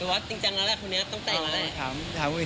คือว่าจริงจังแล้วแหละคนนี้ต้องแต่งอะไร